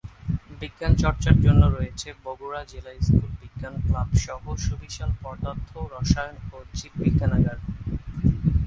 বিজ্ঞান চর্চার জন্য রয়েছে বগুড়া জিলা স্কুল বিজ্ঞান ক্লাব সহ সুবিশাল পদার্থ, রসায়ন ও জীববিজ্ঞানাগার।